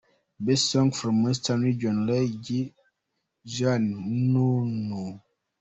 Best Song from Western Region Ray G Rhiganz – Nuunu.